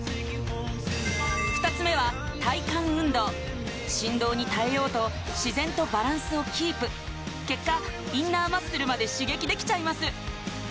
２つ目は体幹運動振動に耐えようと自然とバランスをキープ結果インナーマッスルまで刺激できちゃいます